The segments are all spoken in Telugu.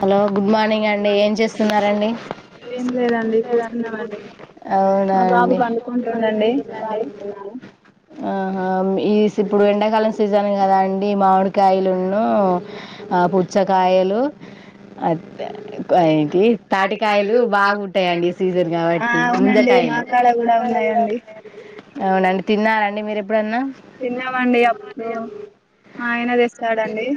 హలో గుడ్ మార్నింగ్ అండి ఏం చేస్తున్నారండీ ఏం లేదండి కూర్చున్నామండి అవునా మా బాబు అండి పండుకుంటుండండి పాలిస్తున్నాను హు హు ఈ ఇప్పుడు ఎండాకాలం సీజన్ కదా అండి మామిడికాయలును పుచ్చకాయలు పుచ్చకాయలు, అద్ బాగుంటాయండి ఈ సీజన్ కాబట్టి అవునండి ముంజకాయలు మాకాడ కూడా ఉన్నాయండి అవునండి తిన్నారండి మీరు ఎప్పుడన్నా తిన్నామండి అప్పుడు మా ఆయన తెస్తాడండి.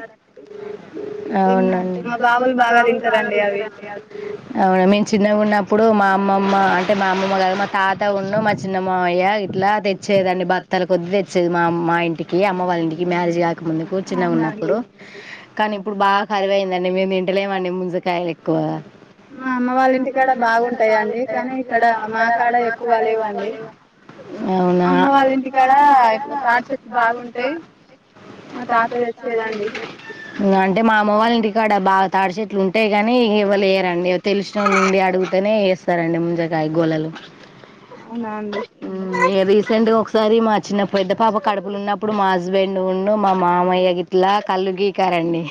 తిన్నాం అవునండి మా బాబులు బాగా తింటారండి అవి అవునా మేము చిన్నగా ఉన్నప్పుడు మా అమ్మమ్మ అంటే మా అమ్మమ్మ గారు తాత ఉండు మా చిన్నమామయ్య ఇట్లా తెచ్చేదండి బ తల కొద్ది తెచ్చేది మా మా ఇంటికి కి అమ్మ వాళ్ళింటికి మ్యారేజ్ ముందు కూర్చున్న అవునా అండి ఉన్నప్పుడు కానీ ఇప్పుడు బాగా కరివయింద మీ ఇంటలే అండి ము అద కాయలు ఎక్కువ మా అమ్మ వాళ్ళ ఇంటికాడ బాగుంటాయండి కానీ ఇక్కడ మా కాడ ఎక్కువ లేవండి అవునా అమ్మ వాళ్ళ ఇంటికాడ ఇట్లా తాటి చెట్లు బాగుంటాయి మా తాత తెచ్చేదండి అంటే మా అమ్మ వాళ్ళ కాడ బాగ తాటి చెట్లు ఉంటే ఇవ్వలేరండి తెలుసు నుండి అడుగుతనే వేస్తారండి ముంజకాయ గోళలు అవునా అండి రీసెంట్గా ఒకసారి మా చిన్న పెద్ద పాప కడుపులున్నప్పుడు మా హస్బెండ్ ఉన్ను మా మావయ్య గిట్లా కల్లు గీకారండి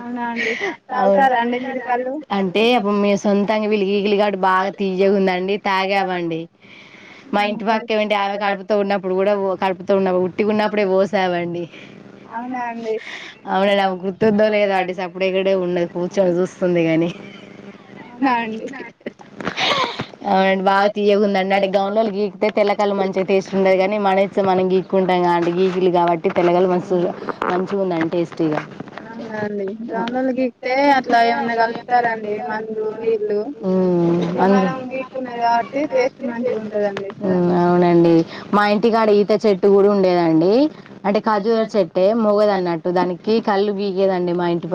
అవునా అండి తాగుతారా అండి మీరు కళ్ళు అంటే అప్పుడు మేం సొంతంగ విలిగి పిల్లగాడు బాగా తీయగుందండి తాగామండి మా ఇంటి పక్కే మంటే ఆమె కడుపుతో ఉన్నప్పుడు కూడ కడుపుతో ఉన్న ఉట్టి ఉన్నప్పుడే పోసావండి అవునా అండి అవునండి ఆమె గుర్ తుందో లేదో అండి అప్పుడిక్కడే ఉండే కూర్చొని చూస్తుంది గాని అవునా అండి అవునండి బాగ తీయగ ఉంది అండి అంటే గౌన్లోన్లు గీగికితే తెల్లకాయలు మంచిగా టేస్ట్ ఉండది కానీ మనీఇచ్చి మనం గీక్కుంటాం గా అండి గీకిలు కాబట్టి టిఫెన్ [unintelligible] మస్తు మంచిగ ఉందండి టేస్టీగా అవునా అండి గౌన్లోన్లు గీకితే అట్లా ఏమన్నా కలుపుతారండి మందు నీళ్ళు మ్మ్ ఇలా అందు మనం గీక్కున్నది కాబట్టి టేస్ట్ మంచిగ ఉంటదండి మ్మ్ అవునండి మా ఇంటికి ఆడ ఈత చెట్టు కూడ ఉండేదండి అంటే ఖజూర చెట్టే మొగది అన్నట్టు దానికి కల్లు గీగేదండి మా ఇంటి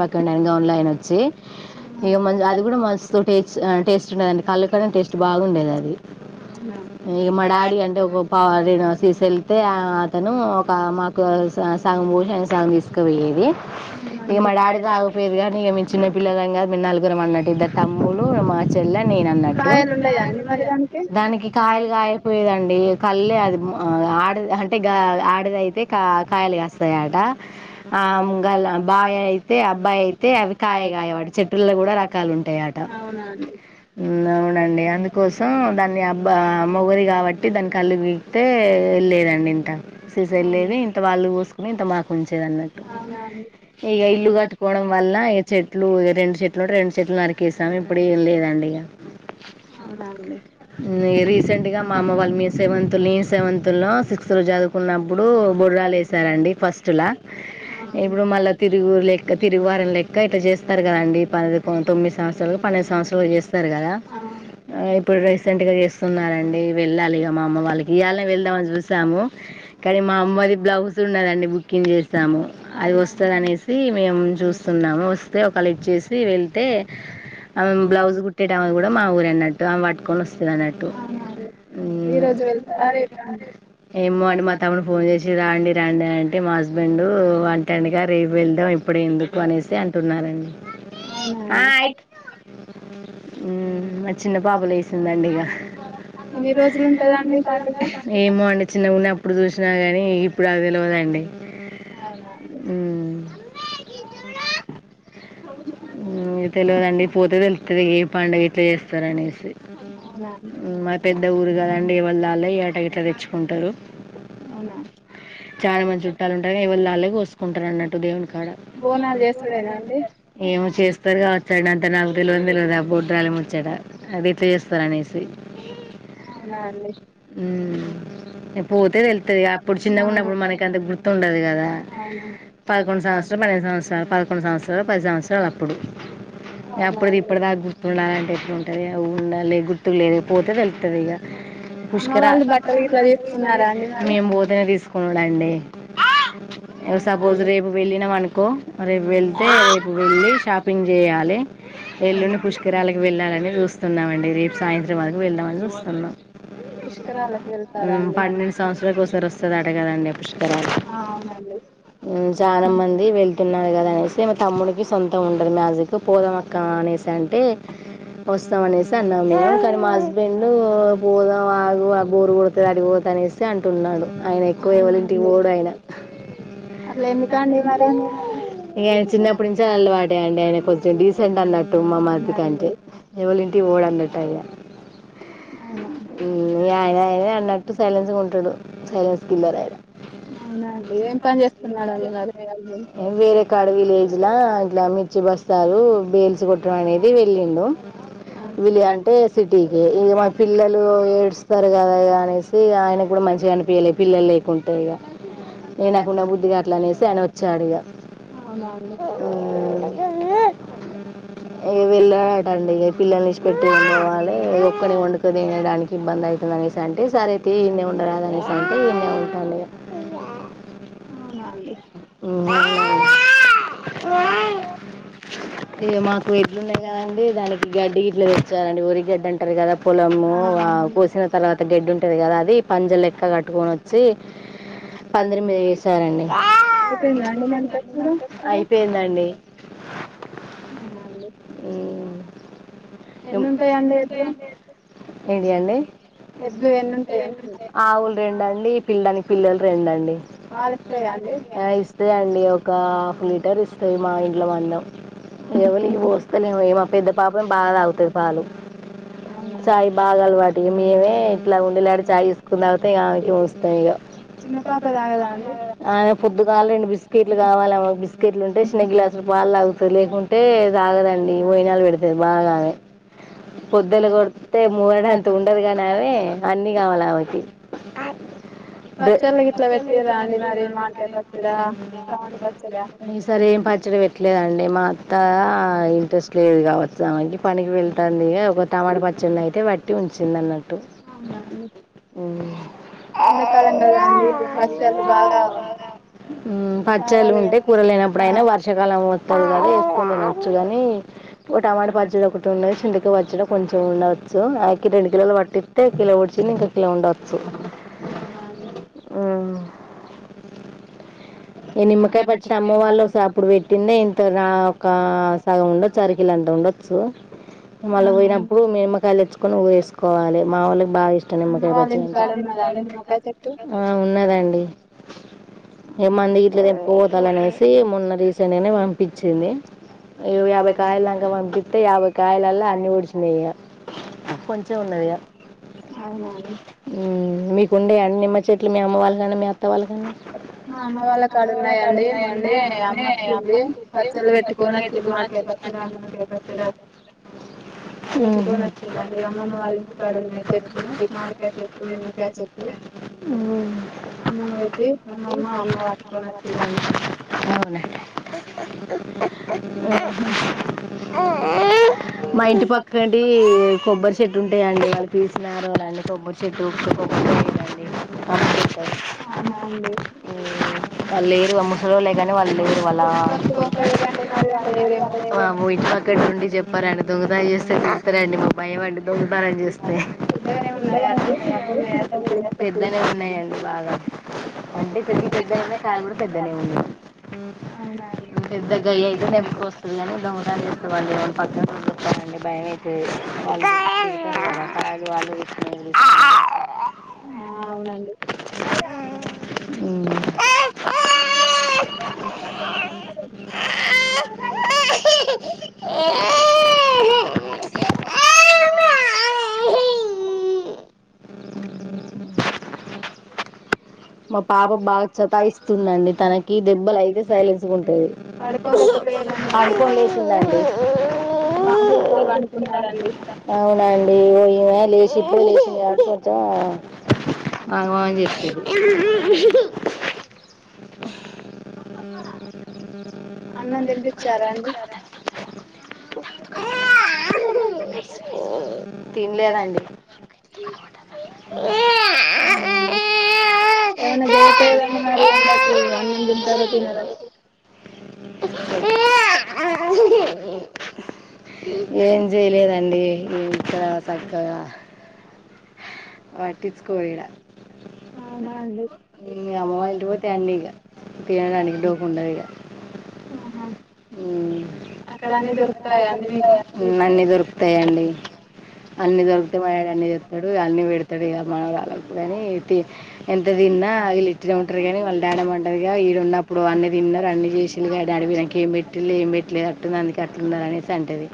గౌన్లయానా వచ్చి ఆ! ఇగ మ అది కూడ మస్తు టేస్ట్ టేస్ట్ ఉండేదండి కల్లు కన్న టేస్ట్ బాగుండేది అది అవునా! ఇక మా డాడీ అంటే ఒక పావు సీస వెళ్తే అతను ఒక మాకు సంగం పోసి ఆయన సంగం తీసు పొయ్యేది ఇగ అవునండి. మా డాడీ రాకపోయేది కానీ ఇగ మేం చిన్న పిల్లలం కద మేము నలుగురం అన్నట్టు ఇద్దరు త చెల్ల నేను అన్నట్టు కాయలున్నయా అండి మరి దానికి కాయలుకాయక పోయేదండి. కల్లే అది ఆడది అంటే ఆడది అయితే కా కాయలు కాస్తాయి. ఆట ఆ మొగాళ్ళ బావి అబ్బాయి అయితే అవి కాయ కాయవట చెట్టుల్లో కూడ రకాలు ఉంటాయి అట అవునా అండి. అవునండి అందుకోసం దాన్ని అబ్బా మొగది కాబట్టి దాని కల్లు గీకితే వెళ్లేదండి. ఇంక సీస వెళ్లేది ఇంత వాళ్ళు పోసుకుని ఇంత మాకు ఉంచేది. అన్నట్టు అవునా అండి. ఇగ ఇల్లు కట్టుకోవడం వల్ల చెట్లు రెండు చెట్లు రెండు చెట్లు నరి వెళ్లేదండి అవునా అండి. ఇగ రీసెంట్గా మా అమ్మ వాళ్ళు మేం సెవెంత్ నేన్ సెవెంత్లో సిక్స్త లో చదువుకున్నప్పుడు బుర్రాలు వేసారండి ఫస్ట్ లా ఇప్పుడు మళ్ళ ఇవారం ఇంకా ఇట్ల చేస్తారు కదా అండి ప తొమ్మిది సంవత్సరాలు పన్నండు సంవత్సరాలు చేస్త కదా ఆ! ఇప్పుడు రీసెంట్ గా చేస్తున్న అండి వెళ్ళాలి మా అమ్మ వాళ్ళకి గియాల వెళ్దామని చూసాము కానీ మా అమ్మది బ్లౌజ్ ఉన్నదండి బుకింగ్ చేస్తాము అది అవునా! వస్తుందినేసి మేము చూస్తున్నాము. వస్తే ఒకలెక్ట్ చేసి వెళ్తే ఆమె బ్లౌజ్ కుట్టేటమది. కూడా మా ఊర అన్నట్టు ఆమె పట్టుకొని వస్తుంది అన్నట్టు. అవునా అండి. ఈరోజు వెళ్తారా రేపా అండి? ఏమో అండి మా తమ్మును ఫోన్ చేసి రాండి రాం అంటే మా హస్బెండ్ వంటంగా రీపు వెళ్ళడం అప్పుడు ఎందుకు అనేసి అంటున్నారండి [inaudible] మ [inaudible] చిన్న పాపలు వేసిందండి. ఇక ఎన్ని రోజులుంటదండి పండుగ? ఏమో అండి చిన్న గున్న అప్పుడు చూసినా కాని ఇప్పుడు తెలిదండి. అవునా అండి. తెలియదండి పోతే తెలుసు అత్తదిగా ఏ పండుగ ఎట్లా చేస్తారునేసి అవునా అండి. మా పెద్ద ఊరు కదండి ఎవళ్ళాల టైట తెచ్చుకుంటారు అవునా! చాలా మంచి చుట్టాలు ఉంటారు ఇవాళు అలాగ కోసుకుంటారు అన్నట్టు దేవుని అడ బోనాలు చేసుడేనా అండి? ఏమో చేస్తారుగా వచ్చాడు అంత నాకు తెలియంది కదా బుడ్రాలి చడా అదైతే చేస్తార అనేసి అవునా హు ఇక పోతే తెలుస్తది అప్పుడు అవును చిన్నగున్నప్పుడు మనకి అంత గుర్తు ఉండదు కదా అవునా పదకొండు సంవత్సర పన్నెండు సంవత్సరాలు పదకొండు సంవత్సరాలు పది సంవత్సరాలు అప్పుడు అప్పుడిది అండి ఇప్పటిదాకా గుర్తుండాలంటే ఎట్లా ఉంటుంది అ ఉండాలి గుర్ గుర్తులేదు పోతే తెలుతుంది ఇక అమ్మ పుష్కర వాళ్ళు మామూలుగా గిట్లా బట్టలు తీసుకుంటారా తీసుకున్నారా అండి మరి మేము పోతేనే తీసుకున్నాడండి ఒక వేళ సపోజ్ రేపు వెళ్ళ వెళ్ళమనుకో రేపు వెళ్తే రేపు వెళ్ళి షాపింగ్ చేయాలి ఎల్లుండి పుష్కరాలకు వెళ్ళాలని చూస్తున్నామండి రేపు సాయంత్రం వేల్దం అని వస్తున్నాం పుష్కరాలకు హు వెళ్తారా అండి పన్నెండు సంవత్సరాల కోసం వస్తది అట కదండి పుష్కరాలు ఆ అవునండి చాలా మంది తిన్నాడు కదా అనేసి మా తమ్ముడికి సొంతం ఉండదు మ్యాజిక్ పోదమక్క అనేసి అంటే ఏ వస్తాం అనేసి అన్నాం మేము కానీ మా హస్బెండ్ పోదాం ఆగు బోరు కొడతది ఆడికిపోతె అనేసి అంటున్నాడు ఆయన ఎక్కువ ఎవల్లింటీకీ ఓడు ఆయన అట్ల ఎందుకండి అట్ల మరి ఏందుకండి ఇక ఆయన చిన్నప్పుడు నుంచి అలవాటే అండి ఆయన కొంచెం డీసెంట్ అన్నట్టు మా మరిది అవునా కంటే అండి ఎవలల్లింటికీ ఓడ్ అన్నట్టు ఆయ అవునా హు ఆయన అయనే అన్నటు సైలన్స్ ఉంటాడు సైలెన్స్ కిల్లర్ ఆయన అవునా అండి ఏం పని చేస్తున్నాడండి మీ హస్ ఏ వేరే కాడ విలేజ్లా ఇట్లా మిర్చి బస్ చేస్తారు బేల్స్ కొట్టడం అనేది వెళ్ళిండు వీల్లు అంటే సిటీకి ఇక మా పిల్లలు ఏడుస్తారు కదా అనేసి ఆయన కూడా మంచిగా అనిపించలే పిల్లలు లేకుంటే ఇగ నే నాకుండ బుద్ధిగావట్లే అనేసి వచ్చాడిగా అవునా అండి అ ఇగ వెళ్ళడటండి పిల్లల నిడిచి పెట్టి ఏం వెళ్ళలే ఒక్కని వండుకొని తినడానికి ఇబ్బందయితుంది అనేసి స్థాంటే సరే తి ఈన్నే ఉండరాదనే సరే తీ ఈన్నె ఉంటాను అవునా అండి అవ్వ వ్ ఇ మాకు ఇట్లు ఉన్నాయి గా అంటే దానికి గడ్డి గిట్లుది వచ్చాలండి ఉరి గడ్డి అంటారు కదా పొలము ఆ కోసిన తర్వాత గడ్డి ఉంటది కదా అది పంజ లెక్క కట్టుకొని వచ్చి పందిరి మీద వేసారండి అయిపోయిందండి మరి చప్పుడు అయిపోయిందండి అవునా అండి ఎన్ని ఉమ్మ్ ఉంటాయండి ఎడ్లు ఏంటి అండి ఎడ్లు ఎన్ని ఉంటాయి అంటున్నా ఆవులు రెండండి పిల్లాని పిల్లలు రెంండి పాలిస్తాయా అండి అదే అండి ఒక హాఫ్ లీటర్ ఇస్తాయి మా ఇంట్లో మందాం ఎవరి పోస్తలేమో మా పెద్ద పాపం బాగా తాగుతది పాలు అవునా చాయ్ బాగాలవాటి మేమే ఇట్లా ఉండి లే చాయ్ తీసుకుని తాగితే ఇ ఆమెకి పోస్తాం ఇక చిన్న పాప తాగదా అండి ఆమె దాన్లో రెండు బిస్కట్ కావాలమ్ బస్ెట్లుంట వేసీన గ్లాస్లు పాలుతాగుతుంది లేకుంటే తాగదండి వోయినాళు పెడితది బాగానే పొద్దెలు కొడ్తే మూరడంత ఉండదు గాని ఆమె అన్ని కావాలి ఆమెకి పచ్చల గిట్లా పెట్టిర అండి మరి మామిడి కాయ్ పచ్ ఈసారి ఏం పచ్చడి పెట్లేద అండి మా అత్తా ఇంట్రెస్ట్ లేదు గావచ్చు ఆమెకి పనికి వెళ్తాంది ఇగ ఒక టమాట పచ్చడ్ని అయితే పట్టి ఉంచింది అన్న మ్మ్ ఎండాకాలం కదా అండి ఇప్పుడు పచ్చళ్ళు బాగా మ్మ్ పచ్చాలు కావాలి ఉంటే కూర కదా లేనప్పుడైనా వర్షకాలం వత్తది కదా వేసుకుని తినొచ్చు గాని ఒక టమాట పచ్చడి ఒకటి ఉన్నది చింతకాయ్ పచ్చడి కొంచెం ఉండోచ్చు ఆకి రెండు కిలోలు పట్టిస్తే కిలో పెట్టితే ఇంకా కిలో ఉండ స నాని ఆ ఈ నిమ్మకాయ పచ్చడి అమ్మ వాళ్ళు ఒసిరి అప్పుడు పెట్టిందే ఇంత రా ఒక సగం ఉండొచ్చు అరకిల అంత ఉండొచ్చు మల్ల పోయినప్పుడు అమ్మ మేమకాయలు తెచ్చుకుని ఉఎ కోవాలి మా వాళ్ళకి బాగా ఇష్టం నిమ్మకాయ వాళ్ళ పచ్చడంటే ఇంటికాడ ఉన్నదా అండి నిమ్మకాయ చెట్టు ఆ ఉన్నదండి ఏ మంది గిట్ల తెంపికి పోతా అనేసి మొన్న రీసెంట్గానే పంపించింది యాభై కాయలక మంపిత్తే యాభై కాయలల్ల అన్ని ఊడిచినాయిక కొంచెం ఉన్నదిగా అవునండి హ్మ్ మీకుండే అండి నిమ్మ చెట్లు మీ అమ్మ వాళ్ళ కానీ మీ అత్త వాళ్ళ కానీ మా అమ్మ వాళ్ళ వాళ్ళండి కాడ ఉన్నాయండి మొన్నే అట్చ్చ అమ్మచ్చింది పచ్చళ్ళు పెట్టుకొని వచ్చింది మామిడికాయ పచ్చడా నిమ్మకాయ పచ్చడా పెట్టుకొని వచ్చిందండి అమ్ళ్ళ అమ్మమ్మ వాళ్ళ ఇంటికాడ ఉన్నాయి చెట్లు మామిడికాయ చెట్టు నిమ్మకాయ చెట్టు అమ్మమ్మ మా చె తెచ్చి చె అమ్మ అవున అమ్మ పట్టుకొని వచ్చిరండి అ మా ఇంటి పక్కటి కొబ్బరి చెట్టు ఉంటాయండి వాళ్ళు పీసినారోళ్ళు అండి కొబ్బరి చెట్టు కొబ్బరి చెట్టుడి చె అవునా అండి వాళ్ళు లేరు ఆ ముసలోల్లె కాని వాళ్ళు లేరు అలా అ కొనుక్కోపోయిర్రండి మరి వాళ్ళు లేరేమో మాము ఇట్ పక్కటి నుండి చెప్పారని దొంగతానం చేస్తే తిడతారండి మాకు భయం అండీ దొంగతనం చేస్తే పెద్దగానే ఉన్నాయా అండి చిన్నగా ఉన్నాయా చెట్లు పెద్దనే ఉన్నాయండి బాగా అంటే చెట్లు పెద్దగా ఉన్నాయి కాయలు కూడా పెద్దగానే ఉన్నాయి అవునండి పెద్దగాయ అయితే తెప్పుకొస్తూ ఇనే దొంగతలు చేసుకోవళ్ళి పక్క చస్తానండి భయమైతే వాళ్ళు వాళ్ళు ఆ అవునండి మా పాప బాగా చతాయిస్తుందండి తనకి దెబ్బలు అయితే సైలెన్స్గా ఉంటది పడుకోబెట్టపోయారండి మరి మా పడుకోని బాబు ఇప్పుడే పండుకున్నాడండి అవునాఅండీ ఆగమ్ ఆగమ్ చేతుర్రు అన్నం తినిపించారా అండి తినలేదండి తట ఎవనా దేవతది ఉన్నది అన్నం తింటారో తినారో ఏ ఏం చేయలేదండి ఇక్కడ సక్కగా ఆ వట్టించుకోరు ఈడా అవునా అండి మీ అమ్మ వాళ్ళ ఇంటికి పోతే అన్ని ఇగ తినడాన డోకా ఉండదు ఇగా ఆహ ా అన్నిీ దొరుకుతాయండి మీకు దొరుకుతాయండి అన్ని దొరికుతే మా డాడీ అన్ని తెత్తడు అన్ని పెడతాడు ఇగా మనవరాలకు ఇనీతే ఎంత తిన్నా వీళ్ళు ఇటనే ఉంటారు కానీ వాళ్ళ నానమ్మ అంటది కదా ఇడా ఉన్నప్పుడు అన్ని తిన్నారు అన్ని చేసిళ్ళు కదా మీ డాడీ వీళ్ళ కెమ్ ఏమ్ పెట్టిండు ఏం పెట్టలేదు అట్టుంది అందుకే అట్లుండాల అనేసి అంటది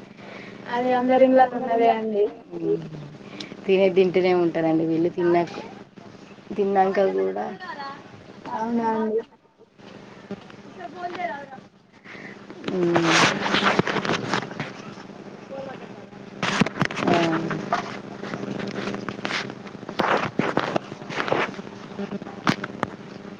అది అందరి అరి ఇళ్ళకు ఉన్నదే అండి తినే తింటూనే ఉంటారంండి వీళ్ళు తిన్నాక తిన్నాక కూడానా అవునా అండి [inaudible] ఆ అ